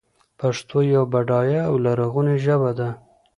پښتو يوه بډايه او لرغونې ژبه ده.